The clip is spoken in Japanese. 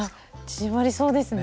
縮まりそうですね。